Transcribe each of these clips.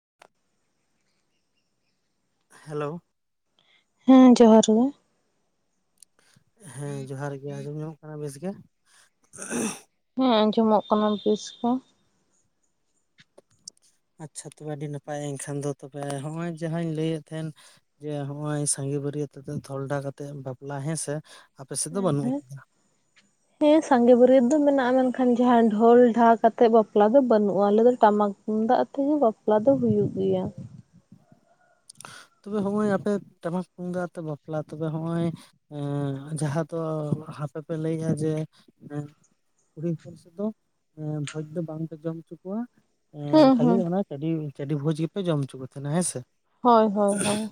[unintelligible] Hello ᱦᱮᱸ ᱡᱚᱦᱟᱨ ᱜᱮ᱾ ᱦᱮᱸ ᱡᱚᱸᱦᱟᱨ ᱜᱮ ᱟᱸᱡᱚᱢ ᱧᱟᱢᱚᱜ ᱠᱟᱱᱟ ᱵᱮᱥ ᱜᱮ᱾ ᱦᱮᱸ ᱟᱸᱡᱚᱢᱚᱜ ᱠᱟᱱᱟ ᱵᱮᱥ ᱠᱚ ᱾ ᱟᱪᱪᱷᱟ ᱛᱚᱵᱮ ᱟᱹᱰᱤ ᱱᱟᱯᱟᱭ ᱮᱱᱠᱷᱟᱱ ᱫᱚ ᱦᱚᱸᱜᱼᱚᱭ ᱡᱟᱦᱟᱸᱧ ᱞᱟᱹᱭᱮᱫ ᱛᱟᱦᱮᱸᱱ, ᱡᱮ ᱦᱚᱸᱜᱼᱚᱭ ᱥᱟᱸᱜᱮ ᱵᱟᱹᱨᱭᱟᱹᱛ ᱟᱛᱮᱫ ᱫᱷᱚᱞᱰᱟ ᱠᱟᱛᱮᱜ ᱵᱟᱯᱞᱟ ᱦᱮᱸ ᱥᱮ, ᱦᱮᱸ ᱦᱮᱸ [inaudible] ᱦᱮᱸ ᱥᱟᱸᱜᱮ ᱵᱟᱹᱨᱭᱟᱹᱛ ᱫᱚ ᱢᱮᱱᱟᱜᱼᱟ᱾ ᱢᱮᱱᱠᱷᱟᱱ ᱡᱟᱦᱟᱸ ᱰᱷᱳᱞ ᱰᱷᱟ ᱠᱟᱛᱮᱫ ᱵᱟᱯᱞᱟ ᱫᱚ ᱵᱟᱹᱱᱩᱜᱼᱟ᱾ ᱟᱞᱮ ᱫᱚ ᱴᱟᱢᱟᱠ, ᱛᱩᱢᱫᱟᱜ ᱛᱮᱜᱮ ᱵᱟᱯᱞᱟ ᱫᱚ ᱦᱩᱭᱩᱜ ᱜᱮᱭᱟ᱾ ᱛᱚᱵᱮ ᱦᱚᱸᱜ-ᱚᱭ ᱟᱯᱮ ᱴᱟᱢᱟᱠ ᱛᱩᱢᱫᱟᱜ ᱟᱛᱮ ᱵᱟᱯᱞᱟ ᱛᱚᱵᱮ ᱦᱚᱸᱜ-ᱚᱭ ᱮᱸ ᱡᱟᱦᱟᱸ ᱫᱚ ᱦᱟᱯᱮ ᱯᱮ ᱞᱟᱹᱭᱟ ᱡᱮ ᱠᱩᱲᱤ ᱦᱚᱯᱚᱱ ᱥᱮᱫ ᱫᱚ ᱮᱸ ᱵᱷᱚᱡᱽ ᱫᱚ ᱵᱟᱝ ᱯᱮ ᱡᱚᱢ ᱦᱚᱪᱚ ᱠᱚᱣᱟ᱾ ᱮᱸᱻ ᱦᱩᱸ ᱠᱷᱟᱹᱞᱤ ᱦᱩᱸ ᱚᱱᱟ ᱪᱟᱹᱰᱤ ᱪᱟᱹᱰᱤ ᱵᱷᱳᱡᱽ ᱜᱮᱯᱮ ᱡᱚᱢ ᱦᱚᱪᱚ ᱠᱚ ᱛᱟᱦᱮᱸᱱᱟ ᱦᱮᱸ ᱥᱮ᱾ ᱦᱳᱭ ᱦᱳᱭ ᱦᱳᱭ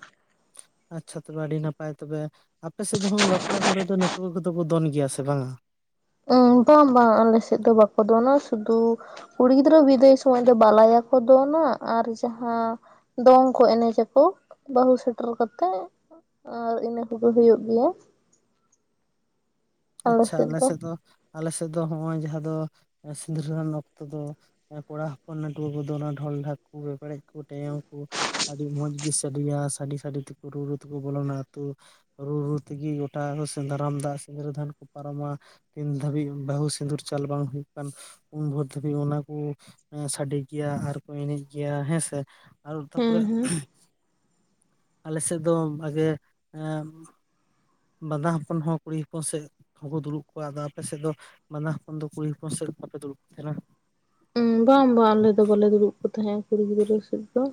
ᱟᱪᱪᱷᱟ ᱛᱚᱵᱮ ᱟᱹᱰᱤ ᱱᱟᱯᱟᱭ ᱛᱚᱵᱮ ᱟᱯᱮ ᱥᱮᱫ ᱫᱚ ᱦᱳ ᱵᱟᱯᱞᱟ ᱠᱚᱨᱮ ᱫᱚ ᱱᱟᱹᱴᱩᱣᱟᱹ ᱠᱚᱫᱚ ᱠᱚ ᱫᱚᱱ ᱜᱮᱭᱟ ᱥᱮ ᱵᱟᱝᱟ? ᱩ ᱵᱟᱝ ᱵᱟᱝ ᱟᱞᱮ ᱥᱮᱫ ᱫᱚ ᱵᱟᱠᱚ ᱫᱚᱱᱟ ᱥᱩᱫᱩ ᱠᱩᱲᱤ ᱜᱤᱫᱽᱨᱟᱹ ᱵᱤᱫᱟᱹᱭ ᱥᱚᱢᱚᱭ ᱫᱚ ᱵᱟᱞᱟᱭᱟ ᱠᱚ ᱫᱚᱱᱟ ᱟᱨ ᱡᱟᱦᱟᱸ, ᱫᱚᱝ ᱠᱚ ᱮᱱᱮᱡᱟᱠᱚ ᱵᱟᱹᱦᱩ ᱥᱮᱴᱮᱨ ᱠᱟᱛᱮᱜ᱾ ᱟᱨ ᱤᱱᱟᱹ ᱠᱚᱜᱮ ᱦᱩᱭᱩᱜ ᱜᱮᱭᱟ ᱾ ᱟᱪᱪᱷᱟ ᱟᱞᱮ ᱥᱮᱫ ᱫᱚ ᱟᱞᱮ ᱥᱮᱫ ᱫᱚ ᱱᱚᱜᱼᱚᱭ ᱡᱟᱦᱟᱸ ᱫᱚ ᱥᱤᱸᱫᱽᱨᱟᱹᱫᱟᱱ ᱚᱠᱛᱚ ᱫᱚ ᱠᱚᱲᱟ ᱦᱚᱯᱚᱱ ᱱᱟᱹᱴᱩᱣᱟᱹ ᱠᱚᱫᱚ ᱚᱱᱟ ᱰᱷᱚᱞᱼᱰᱷᱟᱠ ᱠᱚ, ᱯᱮᱯᱲᱮᱡ ᱠᱚ, ᱴᱮᱚᱝ ᱠᱚ᱾ ᱟᱹᱰᱤ ᱢᱚᱸᱡᱽ ᱜᱮ ᱥᱟᱰᱮᱭᱟ ᱥᱟᱰᱮ ᱥᱟᱰᱮ ᱛᱮᱠᱚ ᱨᱩᱻ ᱨᱩ ᱛᱮᱠᱚ ᱵᱚᱞᱚᱱᱟ ᱟᱹᱛᱩ- ᱨᱩ ᱨᱩ ᱛᱮᱜᱤ ᱜᱚᱴᱟ ᱥᱮᱸᱫᱽᱨᱟᱢ ᱫᱟᱜ ᱥᱤᱸᱫᱽᱨᱟᱹ ᱫᱷᱟᱱ ᱾ ᱯᱟᱨᱚᱢᱟ ᱛᱤᱱ ᱫᱷᱟᱹᱵᱤᱡ ᱵᱟᱹᱦᱩ ᱥᱤᱸᱫᱩᱨ ᱪᱟᱞ ᱵᱟᱝ ᱦᱩᱭᱩᱜ ᱠᱟᱱ, ᱩᱱ ᱵᱷᱳᱨ ᱫᱷᱟᱹᱵᱤᱡ ᱚᱱᱟ ᱠᱩ ᱥᱟᱰᱮ ᱜᱮᱭᱟ ᱟᱨᱠᱚ ᱮᱱᱮᱡ ᱜᱮᱭᱟ ᱦᱮᱸᱥᱮ᱾ ᱟᱨ ᱦᱮᱸ ᱛᱟᱯᱚᱨᱮ ᱦᱮᱸ ᱟᱞᱮ ᱥᱮᱫ ᱫᱚ ᱵᱷᱟᱜᱮ ᱮᱸ ᱵᱟᱸᱫᱟ ᱦᱚᱯᱚᱱ ᱦᱚᱸ ᱠᱩᱲᱤ ᱦᱚᱯᱚᱱ ᱥᱮᱫ ᱦᱚᱸᱠᱚ ᱫᱩᱲᱩᱵ ᱠᱚᱣᱟ ᱟᱫᱚ ᱟᱯᱮ ᱥᱮᱫ ᱫᱚ ᱵᱟᱫᱟ ᱦᱚᱯᱚᱱ ᱫᱚ ᱠᱩᱲᱤ ᱦᱚᱯᱚᱱ ᱥᱮᱫ ᱠᱚᱲᱟ ᱯᱮ ᱫᱩᱲᱩᱵ ᱠᱚ ᱛᱟᱦᱮᱱᱟ? ᱸ ᱵᱟᱝ ᱵᱟᱝ ᱟᱞᱮ ᱫᱚ ᱵᱟᱞᱮ ᱫᱩᱲᱩᱵ ᱠᱚ ᱛᱟᱦᱮᱸᱜᱼᱟ ᱠᱩᱲᱤ ᱜᱤᱫᱽᱨᱟᱹ ᱥᱮᱡ ᱫᱚ।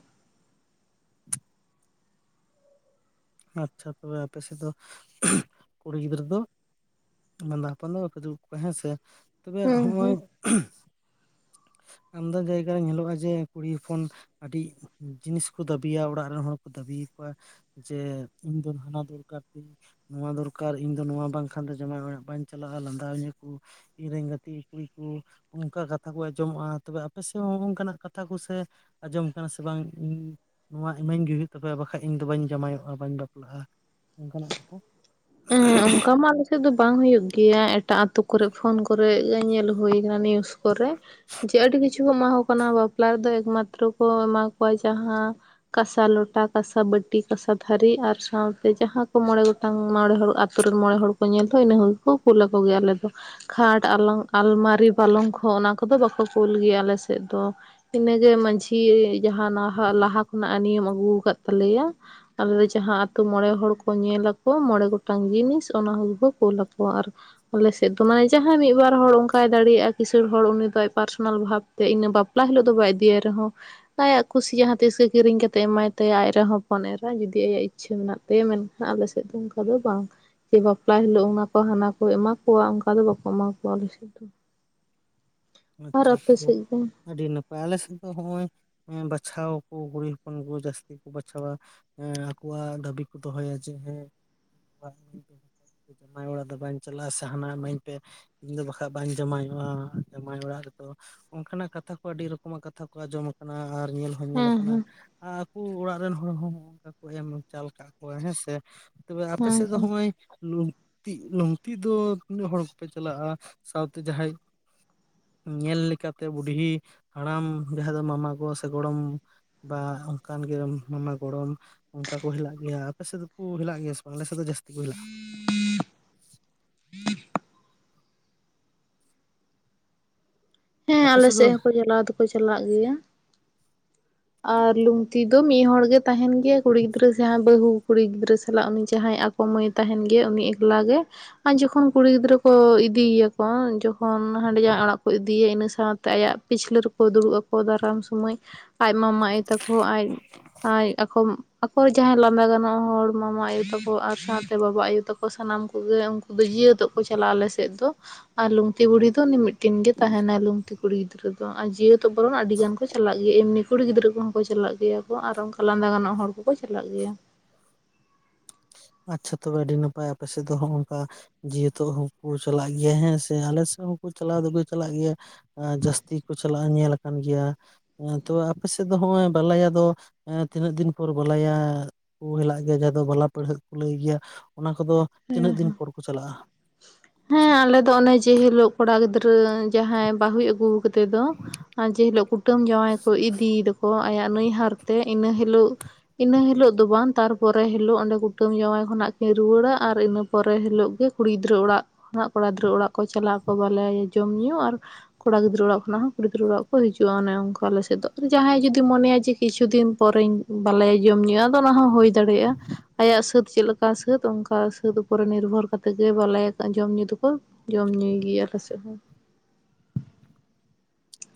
ᱟᱪᱪᱷᱟ ᱛᱚᱵᱮ ᱟᱯᱮ ᱥᱮᱫ ᱫᱚ ᱠᱩᱲᱤ ᱜᱤᱫᱽᱨᱟᱹ ᱫᱚ, ᱵᱟᱸᱫᱟ ᱦᱚᱯᱚᱱ ᱫᱚ ᱵᱟᱯᱮ ᱫᱩᱲᱩᱵ ᱠᱚᱣᱟ ᱦᱮᱸ ᱥᱮ ᱛᱚᱵᱮ ᱦᱩᱸ ᱦᱚᱸᱜᱼᱚᱭ ᱦᱩᱸ ᱼᱼ ᱟᱢᱫᱟ ᱡᱟᱭᱜᱟ ᱨᱮ ᱧᱮᱞᱚᱜᱼᱟ ᱡᱮ ᱠᱩᱲᱤ ᱦᱚᱯᱚᱱ ᱼᱼ ᱟᱹᱰᱤ ᱡᱤᱱᱤᱥ ᱠᱚ ᱫᱟᱹᱵᱤᱭᱟ ᱚᱲᱟᱜ ᱨᱮᱱ ᱦᱚᱲ ᱠᱚ ᱫᱟᱹᱵᱤ ᱟᱠᱚᱣᱟ᱾ ᱡᱮ ᱤᱧᱫᱚ ᱦᱟᱱᱟ ᱫᱚᱨᱠᱟᱨ ᱛᱤᱧ᱾ ᱱᱚᱣᱟ ᱫᱚᱨᱠᱟᱨ ᱤᱧ ᱫᱚ ᱱᱚᱣᱟ ᱵᱟᱝᱠᱷᱟᱱ ᱫᱚ ᱡᱟᱢᱟᱭ ᱚᱲᱟᱜ ᱵᱟᱹᱧ ᱪᱟᱞᱟᱜᱼᱟ, ᱞᱟᱸᱫᱟᱣᱤᱧᱟᱹ ᱠᱚ। ᱤᱧ ᱨᱮᱱ ᱜᱟᱛᱮ ᱠᱩᱲᱤ ᱠᱩᱼᱼ ᱚᱱᱠᱟ ᱠᱟᱛᱷᱟ ᱠᱚ ᱟᱸᱡᱚᱢᱚᱜᱼᱟ ᱛᱚᱵᱮ ᱟᱯᱮ ᱥᱮᱫ ᱦᱚᱸᱜ ᱱᱚᱝᱠᱟᱱᱟᱜ ᱠᱟᱛᱷᱟ ᱠᱚᱥᱮ- ᱟᱸᱡᱚᱢ ᱠᱟᱱᱟ ᱥᱮ ᱵᱟᱝ ᱤᱧ ᱱᱚᱣᱟ ᱤᱢᱟᱹᱧ ᱜᱮ ᱦᱩᱭᱩᱜ ᱛᱟᱯᱮᱭᱟ ᱵᱟᱠᱷᱟᱡ ᱤᱧ ᱫᱚ ᱵᱟᱹᱧ ᱡᱟᱶᱟᱭᱚᱜ ᱟᱨ ᱵᱟᱹᱧ ᱵᱟᱯᱞᱟᱜᱼᱟ ᱚᱱᱠᱟᱱᱟᱜ ᱠᱟᱛᱷᱟ᱾ ᱦᱮᱸ ᱚᱱᱠᱟ ᱢᱟ ᱟᱞᱮᱥᱮᱫ ᱫᱚ ᱵᱟᱝ ᱦᱩᱭᱩᱜ ᱜᱮᱭᱟ ᱮᱴᱟᱜ ᱟᱛᱳ ᱠᱚᱨᱮ ᱯᱷᱳᱱ ᱠᱚᱨᱮ ᱜᱮ ᱧᱮᱞ ᱼᱼ ᱦᱩᱭ ᱟᱠᱟᱱᱟ ᱱᱤᱭᱩᱥ ᱠᱚᱨᱮ ᱡᱮ ᱟᱹᱰᱤ ᱠᱤᱪᱷᱩ ᱠᱚ ᱮᱢᱟ ᱠᱚ ᱠᱟᱱᱟ ᱵᱟᱯᱞᱟ ᱨᱮᱫᱚ ᱮᱠᱢᱟᱛᱨᱚ ᱠᱚ ᱮᱢᱟ ᱼᱼ ᱠᱟᱣᱟ ᱡᱟᱦᱟᱸ ᱠᱟᱥᱟ ᱞᱚᱴᱟ ᱠᱟᱥᱟ ᱵᱟᱹᱴᱤ, ᱠᱟᱥᱟ ᱛᱟᱹᱨᱤ, ᱟᱨ ᱥᱟᱶᱛᱮ ᱡᱟᱦᱟᱸ ᱠᱚ ᱢᱚᱬᱮ ᱜᱚᱴᱟᱝ ᱢᱚᱬᱮ ᱦᱚᱲ ᱟᱛᱩᱨ ᱨᱮᱱ ᱢᱚᱬᱮ ᱦᱚᱲ ᱠᱚ ᱧᱮᱞ ᱫᱚ ᱤᱱᱟᱹ ᱦᱚᱸ ᱜᱮᱠᱚ ᱠᱩᱞ ᱟᱠᱚ ᱜᱮᱭᱟ ᱟᱞᱮ ᱫᱚ। ᱠᱷᱟᱴ ᱟᱞᱚᱝ ᱟᱞᱢᱟᱨᱤ ᱯᱟᱞᱚᱝ ᱠᱷᱚ ᱚᱱᱟ ᱠᱚᱫᱚ ᱵᱟᱠᱚ ᱠᱩᱞ ᱜᱮᱭᱟ ᱟᱞᱮ ᱥᱮᱫ ᱫᱚ। ᱤᱱᱟᱹᱜᱮ ᱢᱟᱺᱡᱷᱤ ᱡᱟᱦᱟᱸᱱᱟᱜ ᱞᱟᱦᱟ ᱠᱷᱚᱱᱟᱜ ᱮ ᱱᱤᱭᱮᱢ ᱟᱹᱜᱩ ᱟᱠᱟᱫ ᱛᱟᱞᱮᱭᱟ। ᱟᱞᱮ ᱡᱟᱦᱟᱸ ᱟᱛᱩ ᱢᱚᱬᱮ ᱦᱚᱲ ᱠᱚ ᱧᱮᱞᱟ᱾ ᱠᱚ ᱢᱚᱬᱮ ᱜᱚᱴᱟᱝ ᱡᱤᱱᱤᱥ ᱚᱱᱟ ᱠᱚᱜᱮ ᱠᱚ ᱠᱳᱞ ᱟᱠᱚᱣᱟ ᱟᱨ ᱼᱼ ᱟᱞᱮᱥᱮᱫ ᱫᱚ ᱱᱟᱜᱼᱚᱭ ᱡᱟᱦᱟᱸᱭ ᱢᱤᱫ ᱵᱟᱨ ᱦᱚᱲ ᱚᱱᱠᱟᱭ ᱫᱟᱲᱮᱭᱟᱜᱼᱟ, ᱠᱤᱥᱟᱹᱬ ᱦᱚᱲ ᱩᱱᱤ ᱫᱚ ᱟᱡ ᱯᱟᱨᱥᱚᱱᱟᱞ ᱵᱷᱟᱵᱽ ᱼᱼ ᱛᱮ ᱤᱱᱟᱹ ᱵᱟᱯᱞᱟ ᱦᱤᱞᱳᱜ ᱫᱚ ᱵᱟᱭ ᱤᱫᱤᱭᱟᱭ ᱨᱮᱦᱚᱸ ᱼᱼ ᱟᱭᱟᱜ ᱠᱩᱥᱤ ᱡᱟᱦᱟᱸ ᱛᱤᱥ ᱜᱮ ᱠᱤᱨᱤᱧ ᱠᱟᱛᱮ [unintelligible] ᱮᱢᱟᱭ ᱛᱟᱭᱟ ᱟᱡ ᱨᱮᱱ ᱦᱚᱯᱚᱱ ᱮᱨᱟ ᱡᱩᱫᱤ ᱟᱭᱟᱜ ᱤᱪᱪᱷᱟᱹ ᱢᱮᱱᱟᱜ ᱛᱟᱭᱟ᱾ ᱢᱮᱱᱠᱷᱟᱱ ᱟᱞᱮ ᱥᱮᱫ ᱫᱚ ᱚᱱᱠᱟ ᱫᱚ ᱵᱟᱝ। ᱥᱮ ᱵᱟᱯᱞᱟ ᱦᱤᱞᱳᱜ ᱚᱱᱟ ᱠᱚ ᱦᱟᱱᱟ ᱠᱚ ᱮᱢᱟ ᱠᱚᱣᱟ ᱚᱱᱠᱟ ᱫᱚ ᱵᱟᱠᱚ ᱮᱢᱟ ᱠᱚᱣᱟ ᱟᱞᱮ ᱥᱮᱫ ᱫᱚ। ᱟᱨ ᱟᱪᱪᱷᱟ ᱟᱯᱮ ᱛᱷᱚ ᱥᱮᱫ ᱫᱚ ᱦᱮᱸ ᱟᱹᱰᱤ ᱱᱟᱯᱟᱭ ᱟᱞᱮᱥᱮᱫ ᱫᱚ ᱦᱚᱸᱜ -ᱚᱭ ᱵᱟᱪᱷᱟᱣᱟᱠᱚ ᱠᱩᱲᱤ ᱦᱚᱯᱚᱱ ᱠᱚ ᱡᱟᱹᱥᱛᱤ ᱠᱚ ᱵᱟᱪᱷᱟᱣᱟ। ᱦᱮᱸ ᱟᱠᱚᱣᱟᱜ ᱫᱟᱹᱵᱤ ᱠᱚ ᱫᱚᱦᱚᱭᱟ ᱡᱮ ᱦᱮᱸ᱾ [inaudible] ᱡᱟᱶᱟᱭ ᱚᱲᱟᱜ ᱫᱚ ᱵᱟᱹᱧ ᱪᱟᱞᱟᱜᱼᱟ ᱥᱮ ᱦᱟᱱᱟ ᱤᱢᱟᱹᱧ ᱯᱮ ᱤᱧᱫᱚ ᱵᱟᱠᱷᱟᱡ ᱵᱟᱹᱧ ᱡᱟᱶᱟᱭᱚᱜᱼᱟ᱾ ᱡᱟᱶᱟᱭ ᱚᱲᱟᱜ ᱨᱮᱫᱚ ᱚᱱᱠᱟᱱᱟᱜ ᱠᱟᱛᱷᱟ ᱠᱚ ᱟᱹᱰᱤ ᱨᱚᱠᱚᱢᱟᱜ ᱠᱟᱛᱷᱟ ᱠᱚ ᱟᱸᱡᱚᱢ ᱟᱠᱟᱱᱟ᱾ ᱟᱨ ᱧᱮᱞ ᱼᱼ ᱧᱮᱞ ᱦᱮᱸ ᱟᱠᱟᱱᱟ ᱦᱮᱸ ᱟᱨ ᱟᱠᱚ ᱚᱲᱟᱜ ᱨᱮᱱ ᱦᱚᱲ [unintelligible] ᱠᱚ ᱮᱢ ᱪᱟᱞ ᱟᱠᱟᱜ ᱠᱚᱣᱟ ᱦᱮᱸ ᱥᱮ। ᱛᱚᱵᱮ ᱟᱯᱮ ᱥᱮᱫ ᱦᱮᱸ ᱦᱚᱸ ᱢᱟᱹᱭ ᱞᱩᱝᱛᱤᱜ ᱞᱩᱝᱛᱤ ᱫᱚ ᱛᱤᱱᱟᱹᱜ ᱦᱚᱲ ᱠᱚᱯᱮ ᱪᱟᱞᱟᱜᱼᱟ? ᱥᱟᱶᱛᱮ ᱡᱟᱦᱟᱸᱭ ᱼᱼ ᱧᱮᱞ ᱞᱮᱠᱟᱛᱮ ᱵᱩᱰᱷᱤ ᱦᱟᱲᱟᱢ ᱡᱟᱦᱟᱸ ᱫᱚ ᱢᱟᱢᱟ ᱜᱚ ᱥᱮ ᱜᱚᱲᱚᱢ। ᱵᱟ ᱚᱱᱠᱟᱱ ᱜᱮ ᱢᱟᱢᱟ ᱜᱚᱲᱚᱢ। ᱚᱱᱠᱟ ᱠᱚ ᱦᱮᱞᱟᱜ ᱜᱮᱭᱟ ᱟᱯᱮ ᱥᱮᱫ ᱫᱚᱠᱚ ᱦᱮᱞᱟᱜ ᱜᱮᱭᱟ ᱥᱮ ᱵᱟᱝ ᱟᱞᱮ ᱥᱮᱫ ᱫᱚ ᱡᱟᱹᱥᱛᱤ ᱠᱚ ᱦᱮᱞᱟᱜᱼᱟ। ᱦᱮᱸ ᱟᱯᱮ ᱟᱞᱮ ᱫᱚ ᱥᱮᱫ ᱦᱚᱸᱠᱚ [unintelligible] ᱫᱚᱠᱚ ᱪᱟᱞᱟᱜ ᱜᱮᱭᱟ। [inaudible] ᱟᱨ ᱞᱩᱝᱛᱤ ᱫᱚ ᱢᱤᱫ ᱦᱚᱲ ᱜᱮ ᱛᱟᱦᱮᱱ ᱜᱮᱭᱟ ᱠᱩᱲᱤ ᱜᱤᱫᱽᱨᱟᱹ ᱡᱟᱦᱟᱸᱭ ᱵᱟᱹᱦᱩ ᱠᱩᱲᱤ ᱜᱤᱫᱽᱨᱟᱹ ᱥᱟᱞᱟᱜ ᱩᱱᱤ ᱡᱟᱦᱟᱸᱭ ᱟᱠ ᱼᱼ [unintelligible] ᱛᱟᱦᱮᱱ ᱜᱮᱭᱟ ᱩᱱᱤ ᱮᱠᱞᱟ ᱜᱮ। ᱟᱨ ᱡᱚᱠᱷᱚᱱ ᱠᱩᱲᱤ ᱜᱤᱫᱽᱨᱟᱹ ᱠᱚ ᱤᱫᱤᱭᱮᱭᱟᱠᱚ ᱡᱚᱠᱷᱚᱱ ᱦᱟᱸᱰᱮ ᱡᱟᱶᱟᱭ ᱚᱲᱟᱜ ᱠᱚ ᱤᱫᱤᱭᱮᱭᱟ ᱤᱱᱟᱹ ᱼᱼ ᱥᱟᱶᱛᱮ ᱟᱭᱟᱜ ᱯᱤᱪᱷᱞᱟᱹ ᱨᱮᱠᱚ ᱫᱩᱲᱩᱵ ᱟᱠᱚ ᱫᱟᱨᱟᱢ ᱥᱚᱢᱚᱭ। ᱟᱡ ᱢᱟᱢᱟ ᱟᱭᱳ ᱛᱟᱠᱚ ᱟᱡ ᱟᱡ ᱟᱠᱚ ᱼᱼ ᱟᱠᱚᱨ [unintelligible] ᱡᱟᱦᱟᱸᱭ ᱞᱟᱸᱫᱟ ᱟᱠᱚ ᱡᱟᱦᱟᱭ [unintelligible] ᱜᱟᱱᱚᱜ ᱦᱚᱲ ᱢᱟᱢᱟ ᱟᱭᱳ ᱛᱟᱠᱚ ᱟᱨ ᱥᱟᱶᱛᱮ ᱵᱟᱵᱟ ᱟᱭᱳ ᱛᱟᱠᱚ ᱥᱟᱱᱟᱢ ᱠᱚᱜᱮ ᱩᱱᱠᱩ ᱼᱼ ᱵᱟᱹᱨᱤᱭᱟᱹᱛᱚᱜ ᱠᱚ ᱪᱟᱞᱟᱜᱼᱟ ᱟᱞᱮ ᱥᱮᱫ ᱫᱚ ᱟᱨ ᱞᱩᱝᱛᱤ ᱵᱩᱲᱦᱤ ᱫᱚ ᱢᱤᱫᱴᱮᱱ ᱜᱮ ᱛᱟᱦᱮᱱᱟ ᱞᱩᱝᱛᱤ ᱠᱩᱲᱤ ᱜᱤᱫᱽᱨᱟᱹ। [unintelligible] ᱟᱹᱰᱤ ᱜᱟᱱ ᱠᱚ ᱪᱟᱞᱟᱜ ᱜᱮᱭᱟ ᱮᱢᱱᱤ ᱠᱩᱲᱤ ᱜᱤᱫᱽᱨᱟᱹ ᱠᱚᱦᱚᱸ ᱠᱚ ᱪᱟᱞᱟᱜ ᱜᱮᱭᱟ ᱠᱚ ᱟᱨ ᱚᱱᱠᱟ ᱞᱟᱸᱫᱟ ᱜᱟᱱᱚᱜ ᱦᱚᱲ ᱠᱚ। ᱠᱚ ᱪᱟᱞᱟᱜ ᱜᱮᱭᱟ। ᱟᱪᱪᱷᱟ ᱛᱚᱵᱮ ᱟᱹᱰᱤ ᱱᱟᱯᱟᱭ ᱟᱯᱮ ᱥᱮᱫ ᱫᱚ ᱦᱚᱸᱜ ᱚᱝᱠᱟ ᱡᱮ ᱦᱮᱛᱩ ᱦᱚᱸᱠᱚ ᱪᱟᱞᱟᱜ ᱜᱮᱭᱟ ᱦᱮᱸ ᱥᱮ ᱟᱞᱮ ᱥᱮᱫ ᱦᱚᱸᱠᱚ ᱪᱟᱞᱟᱣ ᱫᱚ ᱠᱚ ᱪᱟᱞᱟᱜ ᱜᱮᱭᱟ ᱡᱟᱹᱥᱛᱤ ᱠᱚ ᱪᱟᱞᱟᱜᱼᱟ ᱧᱮᱞ ᱟᱠᱟᱱ ᱜᱮᱭᱟ ᱛᱚ ᱟᱯᱮ ᱥᱮᱫ ᱫᱚ [unintelligible] ᱵᱟᱞᱟᱭᱟ ᱫᱚ ᱛᱤᱱᱟᱹᱜ ᱫᱤᱱ ᱯᱚᱨᱮ ᱵᱟᱞᱟᱭᱟ ᱠᱚ [unintelligible] ᱸ ᱫᱚ ᱵᱟᱞᱟ ᱯᱟᱹᱬᱦᱟᱹ ᱠᱚ ᱞᱟᱹᱭ ᱜᱮᱭᱟ ᱚᱱᱟ ᱠᱚᱫᱚ ᱛᱤᱱᱟᱹᱜ ᱫᱤᱱ ᱯᱚᱨ ᱠᱚ ᱪᱟᱞᱟᱜᱼᱟ ᱦᱮᱸ ᱟᱞᱮ ᱫᱚ ᱚᱱᱮ ᱡᱮ ᱦᱤᱞᱚᱜ ᱠᱚᱲᱟ ᱜᱤᱫᱽᱨᱟᱹ ᱡᱟᱦᱟᱸᱭ ᱵᱟᱹᱦᱩᱭ ᱟᱹᱜᱩ ᱠᱟᱫᱮ ᱫᱚ ᱡᱮ ᱦᱤᱞᱚᱜ ᱠᱩᱴᱟᱹᱢ ᱡᱟᱶᱟᱭ ᱠᱚ ᱤᱫᱤᱭ ᱫᱚᱠᱚ ᱟᱭᱟᱜ ᱱᱟᱹᱭᱦᱟᱹᱨ ᱛᱮ ᱤᱱᱟᱹ ᱦᱤᱞᱚᱜ ᱤᱱᱟᱹ ᱦᱤᱞᱚᱜ ᱫᱚ ᱵᱟᱝ ᱛᱟᱨᱯᱚᱨᱮ ᱦᱤᱞᱚᱜ ᱚᱸᱰᱮ ᱠᱩᱴᱟᱹᱢ ᱡᱟᱶᱟᱭ ᱠᱷᱚᱱᱟᱜ ᱠᱤᱱ ᱨᱩᱣᱟᱹᱲᱟ ᱟᱨ ᱤᱱᱟᱹ ᱯᱚᱨᱮ ᱦᱤᱞᱚᱜ ᱜᱮ ᱠᱩᱲᱤ ᱜᱤᱫᱽᱨᱟᱹ ᱚᱲᱟᱜ ᱟᱜ ᱠᱚᱲᱟ ᱜᱤᱫᱽᱨᱟᱹ ᱚᱲᱟᱜ ᱠᱚ ᱪᱟᱞᱟᱜᱼᱟ ᱠᱚ ᱵᱟᱞᱟ ᱡᱚᱢ ᱧᱩ ᱟᱨ ᱠᱚᱲᱟ ᱜᱤᱫᱽᱨᱟᱹ ᱚᱲᱟᱜ ᱠᱷᱚᱱᱟᱜ ᱦᱚᱸ ᱠᱩᱲᱤ ᱜᱤᱫᱽᱨᱟᱹ ᱚᱲᱟᱜ ᱠᱚ ᱦᱤᱡᱩᱜᱼᱟ ᱚᱱᱮ ᱚᱱᱠᱟ ᱟᱞᱮ ᱥᱮᱫ ᱫᱚ ᱟᱨ ᱡᱟᱦᱟᱸᱭ ᱡᱩᱫᱤ ᱢᱚᱱᱮᱭᱟ ᱡᱮ ᱠᱤᱪᱷᱩ ᱫᱤᱱ ᱯᱚᱨᱮᱧ ᱵᱟᱞᱟᱭᱟ ᱡᱚᱢ ᱧᱩ ᱟᱫᱚ ᱚᱱᱟ ᱦᱚᱸ ᱦᱩᱭ ᱫᱟᱲᱮᱭᱟᱜᱼᱟ ᱟᱭᱟᱜ ᱥᱟᱹᱛ ᱪᱮᱫ ᱞᱮᱠᱟ ᱥᱟᱹᱛ ᱚᱱᱠᱟ। ᱚᱠᱟ [unintelligible] ᱱᱤᱨᱵᱷᱚᱨ ᱠᱟᱛᱮ ᱜᱮ ᱵᱟᱞᱟᱭᱟ ᱡᱚᱢ ᱧᱩ ᱫᱚᱠᱚ ᱡᱚᱢ ᱧᱩᱭ ᱜᱮᱭᱟ ᱟᱞᱮ ᱥᱮᱫ ᱦᱚᱸ।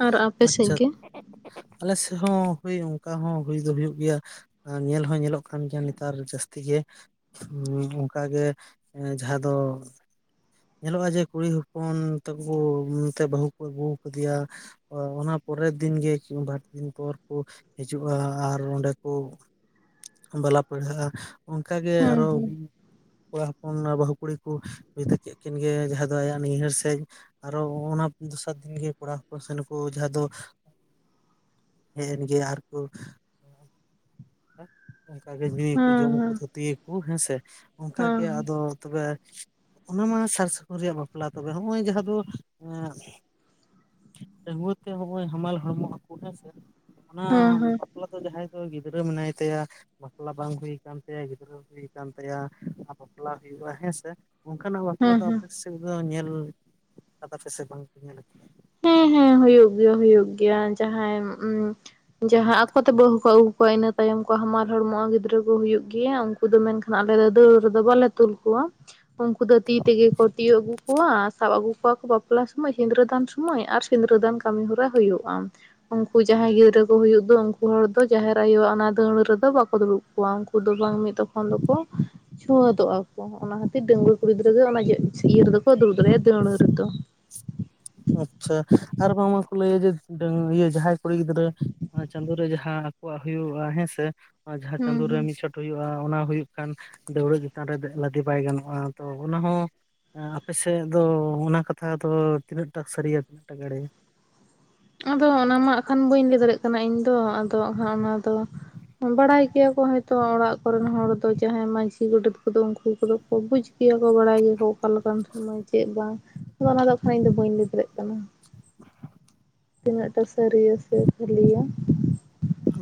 ᱟᱨ ᱟᱯᱮ ᱥᱮᱫ ᱟᱪᱷᱟ ᱜᱮ ᱟᱞᱮ ᱥᱮᱫ ᱦᱚᱸ ᱦᱚᱭ ᱚᱱᱠᱟ ᱦᱚᱸ ᱦᱩᱭ ᱫᱚ ᱦᱩᱭᱩᱜ ᱜᱮᱭᱟ ᱟᱨ ᱧᱮᱞ ᱦᱚᱸ ᱧᱮᱞᱚᱜ ᱠᱟᱱ ᱜᱮᱭᱟ ᱱᱮᱛᱟᱨ ᱡᱟᱹᱥᱛᱤ ᱜᱮ ᱦᱚᱸ ᱚᱱᱠᱟ ᱜᱮ ᱡᱟᱦᱟᱸ ᱫᱚ ᱧᱮᱞᱚᱜᱼᱟ ᱡᱮ ᱠᱩᱲᱤ ᱦᱚᱯᱚᱱ ᱛᱟᱠᱚ ᱠᱚ ᱱᱚᱛᱮ ᱵᱟᱹᱦᱩ ᱠᱚ ᱟᱹᱜᱩ ᱟᱠᱟᱫᱮᱭᱟ ᱦᱚᱭ ᱚᱱᱟ ᱯᱚᱨᱮᱨ ᱫᱤᱱ ᱜᱮ ᱠᱤ ᱵᱟᱨ ᱫᱤᱱ ᱯᱚᱨ ᱠᱚ ᱦᱤᱡᱩᱜᱼᱟ ᱟᱨ ᱚᱸᱰᱮ ᱠᱚ ᱵᱟᱞᱟ ᱯᱟᱹᱬᱦᱟᱹᱜᱼᱟ ᱚᱱᱠᱟ ᱜᱮ ᱟᱨ ᱦᱚᱸ ᱠᱚᱲᱟ ᱦᱚᱯᱚᱱ ᱵᱟᱹᱦᱩ ᱠᱩᱲᱤ ᱠᱚ ᱵᱤᱫᱟᱹᱭ ᱠᱮᱫ ᱩᱱᱠᱤᱱ ᱜᱮ ᱡᱟᱦᱟᱸ ᱫᱚ ᱟᱭᱟᱜ ᱱᱟᱹᱭᱦᱟᱹᱨ ᱥᱮᱡ ᱟᱨ ᱦᱚᱸ ᱚᱱᱟ ᱫᱚᱥᱟᱨ ᱫᱤᱱᱜᱮ ᱠᱚᱲᱟ ᱦᱚᱯᱚᱱ ᱥᱮᱱ ᱦᱚᱸ ᱠᱚ ᱡᱟᱦᱟᱸ ᱫᱚ ᱦᱮᱡ ᱮᱱ ᱜᱮᱭᱟ ᱟᱨ ᱠᱚ ᱚᱱᱠᱟ ᱜᱮ ᱧᱩᱭᱟᱠᱚ ᱦᱮᱸ ᱡᱚᱢᱟᱠᱚ ᱦᱮᱸ ᱛᱷᱩᱛᱤᱭᱟᱠᱚ ᱦᱮᱸᱥᱮ ᱚᱱᱠᱟ ᱦᱮᱸ ᱜᱮ ᱟᱫᱚ ᱛᱚᱵᱮ ᱚᱱᱟ ᱢᱟ ᱥᱟᱨ ᱥᱟᱹᱜᱩᱱ ᱨᱮᱭᱟᱜ ᱵᱟᱯᱞᱟ ᱛᱚᱵᱮ ᱦᱚᱸᱜᱼᱚᱭ ᱡᱟᱦᱟᱸ ᱫᱚ ᱰᱟᱹᱝᱜᱩᱣᱟᱹ ᱛᱮ ᱦᱚᱸᱜᱼᱚᱭ ᱦᱟᱢᱟᱞ ᱦᱚᱲᱢᱚᱜ ᱟᱠᱚ ᱦᱮᱸ ᱥᱮ ᱚᱱᱟ ᱦᱮᱸ ᱦᱮᱸ ᱵᱟᱯᱞᱟ ᱫᱚ ᱡᱟᱦᱟᱸᱭ ᱫᱚ ᱜᱤᱫᱽᱨᱟᱹ ᱢᱮᱱᱟᱭ ᱛᱟᱭᱟ ᱵᱟᱯᱞᱟ ᱵᱟᱝ ᱦᱩᱭ ᱟᱠᱟᱱ ᱛᱟᱭᱟ ᱜᱤᱫᱽᱨᱟᱹ ᱦᱩᱭ ᱟᱠᱟᱱ ᱛᱟᱭᱟ ᱟᱨ ᱵᱟᱯᱞᱟ ᱦᱩᱭᱩᱜᱼᱟ ᱦᱮᱸ ᱥᱮ ᱚᱱᱠᱟᱱᱟᱜ ᱵᱟᱯᱞᱟ ᱦᱮᱸ ᱫᱚ ᱦᱮᱸ ᱟᱯᱮ ᱥᱮᱫ ᱫᱚ ᱧᱮᱞ ᱠᱟᱫᱟ ᱯᱮ ᱥᱮ ᱵᱟᱝᱯᱮ ᱧᱮᱞ ᱟᱠᱟᱫᱟ ᱦᱮᱸ ᱦᱮᱸ ᱦᱩᱭᱩᱜ ᱜᱮᱭᱟ ᱦᱩᱭᱩᱜ ᱜᱮᱭᱟ ᱡᱟᱦᱟᱸᱭ ᱡᱟᱦᱟᱸ ᱟᱠᱚ ᱛᱮ ᱵᱟᱹᱦᱩ ᱠᱚ ᱟᱹᱜᱩ ᱠᱚᱣᱟ ᱤᱱᱟᱹ ᱛᱟᱭᱚᱢ ᱠᱚ ᱦᱟᱢᱟᱞ ᱦᱚᱲᱢᱚᱜᱼᱟ ᱜᱤᱫᱽᱨᱟᱹ ᱠᱚ ᱦᱩᱭᱩᱜ ᱜᱮᱭᱟ ᱩᱱᱠᱩ ᱫᱚ ᱢᱮᱱᱠᱷᱟᱱ ᱟᱞᱮ ᱫᱚ ᱫᱟᱹᱣᱲᱟ ᱨᱮᱫᱚ ᱵᱟᱞᱮ ᱛᱩᱞ ᱠᱚᱣᱟ ᱩᱱᱠᱩ ᱫᱚ ᱛᱤ ᱛᱮᱜᱮ ᱠᱚ ᱛᱤᱭᱟᱹᱜ ᱟᱹᱜᱩ ᱠᱚᱣᱟ ᱥᱟᱵ ᱟᱹᱜᱩ ᱠᱚᱣᱟ ᱠᱚ ᱵᱟᱯᱞᱟ ᱥᱩᱢᱚᱭ ᱥᱤᱸᱫᱽᱨᱟᱹᱫᱟᱱ ᱢᱟᱹᱭ ᱟᱨ ᱥᱤᱸᱫᱽᱨᱟᱹ ᱫᱟᱱ ᱠᱟᱹᱢᱤ ᱦᱚᱨᱟ ᱦᱩᱭᱩᱜᱼᱟ ᱩᱱᱠᱩ ᱡᱟᱦᱟᱸᱭ ᱜᱤᱫᱽᱨᱟᱹ ᱠᱚ ᱦᱩᱭᱩᱜ ᱫᱚ ᱩᱱᱠᱩ ᱦᱚᱲ ᱫᱚ ᱡᱟᱦᱮᱨ ᱟᱭᱳᱣᱟᱜ ᱚᱱᱟ ᱫᱟᱹᱣᱲᱟ ᱨᱮᱫᱚ ᱵᱟᱠᱚ ᱫᱩᱲᱩᱵ ᱠᱚᱣᱟ ᱩᱱᱠᱩ ᱫᱚ ᱵᱟᱝ ᱢᱤᱫ ᱛᱟᱠᱷᱚᱱ ᱫᱚ ᱠᱚ ᱪᱷᱩᱸᱶᱛᱚᱜᱼᱟ ᱠᱚ ᱚᱱᱟ ᱠᱷᱟᱹᱛᱤᱨ ᱰᱟᱺᱜᱩᱣᱟᱹ ᱠᱩᱲᱤ ᱜᱤᱫᱽᱨᱟᱹ ᱜᱮ ᱚᱱᱟ ᱤᱭᱟᱹ ᱨᱮᱫᱚ ᱠᱚ ᱫᱩᱲᱩᱵ ᱫᱟᱹᱲᱮᱭᱟᱜᱼᱟ ᱫᱟᱹᱣᱲᱟᱹ ᱨᱮᱫᱚ ᱟᱪᱷᱟ ᱟᱨ ᱵᱟᱝᱢᱟ ᱠᱚ ᱞᱟᱹᱭᱟ ᱡᱮ ᱡᱟᱦᱟᱸᱭ ᱠᱩᱲᱤ ᱜᱤᱫᱽᱨᱟᱹ ᱪᱟᱸᱫᱚ ᱨᱮ ᱡᱟᱦᱟᱸ ᱟᱠᱚᱣᱟᱜ ᱦᱩᱭᱩᱜᱼᱟ ᱦᱮᱸᱥᱮ ᱡᱟᱦᱟᱸ ᱦᱩᱸ ᱪᱟᱸᱫᱚ ᱨᱮ ᱦᱩᱸ ᱢᱤᱫ ᱦᱩᱭᱩᱜᱼᱟ ᱚᱱᱟ ᱦᱩᱭᱩᱜ ᱠᱷᱟᱱ ᱫᱟᱹᱣᱲᱟᱹ ᱪᱮᱛᱟᱱ ᱨᱮ ᱞᱟᱫᱮ ᱵᱟᱭ ᱜᱟᱱᱚᱜᱼᱟ ᱛᱚ ᱚᱱᱟ ᱦᱚᱸ ᱟᱯᱮ ᱥᱮᱫ ᱫᱚ ᱚᱱᱟ ᱠᱟᱛᱷᱟ ᱫᱚ ᱛᱤᱱᱟᱹᱜ ᱴᱟᱜ ᱥᱟᱹᱨᱤᱭᱟ ᱛᱤᱱᱟᱹᱜ ᱴᱟ ᱮᱲᱮᱭᱟ ᱟᱫᱚ ᱚᱱᱟ ᱢᱟ ᱟᱠᱷᱟᱱ ᱵᱟᱹᱧ ᱞᱟᱹᱭ ᱫᱟᱲᱮᱭᱟᱜ ᱠᱟᱱᱟ ᱤᱧ ᱫᱚ ᱟᱫᱚᱜ ᱚᱱᱟ ᱛᱚ ᱵᱟᱰᱟᱭ ᱠᱮᱭᱟ ᱠᱚ ᱛᱚ ᱚᱲᱟᱜ ᱠᱚᱨᱮᱱ ᱦᱚᱲ ᱫᱚ ᱡᱟᱦᱟᱸᱭ ᱢᱟᱺᱡᱷᱤ ᱜᱚᱰᱮᱛ ᱠᱚᱫᱚ ᱩᱱᱠᱩ ᱠᱚᱫᱚ ᱠᱚ ᱵᱩᱡᱽ ᱜᱮᱭᱟ ᱠᱚ ᱵᱟᱰᱟᱭ ᱜᱮᱭᱟ ᱠᱚ ᱚᱠᱟ ᱞᱮᱠᱟᱱ ᱥᱚᱢᱚᱭ ᱪᱮᱫ ᱵᱟᱝ ᱤᱧ ᱫᱚ ᱚᱱᱠᱷᱟᱱ ᱵᱟᱹᱧ ᱞᱟᱹᱭ ᱫᱟᱲᱮᱭᱟᱜ ᱠᱟᱱᱟ [unintelligible] ᱛᱤᱱᱟᱹᱜ ᱴᱟ ᱥᱟᱹᱨᱤᱭᱟ ᱥᱮ ᱠᱷᱟᱹᱞᱤᱭᱟ